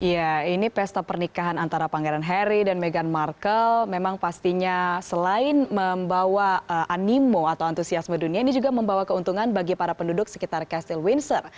ya ini pesta pernikahan antara pangeran harry dan meghan markle memang pastinya selain membawa animo atau antusiasme dunia ini juga membawa keuntungan bagi para penduduk sekitar castle windsor